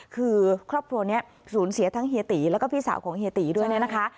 คือครอบครัวนี้สูญเสียทั้งเฮียตีแล้วก็พี่สาวของเฮียตีด้วยเนี่ยนะคะ